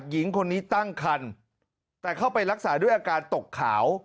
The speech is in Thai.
หญิงคนนี้ตั้งคันแต่เข้าไปรักษาด้วยอาการตกขาว